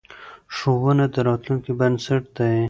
ښوونه د راتلونکې بنسټ دی.